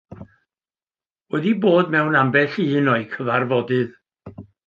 Wedi bod mewn ambell un o'u cyfarfodydd.